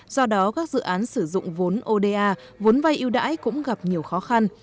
do đó các dự án sử dụng vốn oda vốn vai yêu đãi cũng gặp nhiều khó khăn